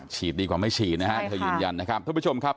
ดีกว่าไม่ฉีดนะฮะเธอยืนยันนะครับท่านผู้ชมครับ